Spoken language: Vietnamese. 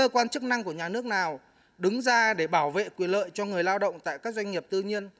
quan chức năng của nhà nước nào đứng ra để bảo vệ quyền lợi cho người lao động tại các doanh nghiệp tư nhân